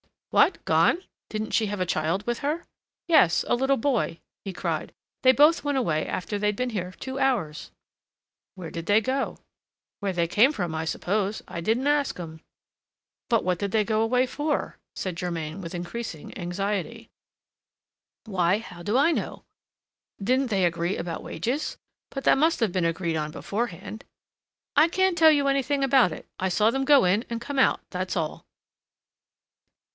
"What! gone? didn't she have a child with her?" "Yes, a little boy; he cried. They both went away after they'd been here two hours." "Where did they go?" "Where they came from, I suppose. I didn't ask 'em." "But what did they go away for?" said Germain, with increasing anxiety. "Why, how do I know?" "Didn't they agree about wages? but that must have been agreed on beforehand." "I can't tell you anything about it. I saw them go in and come out, that's all."